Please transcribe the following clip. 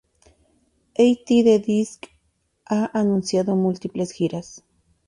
At The Disco ha anunciado múltiples giras.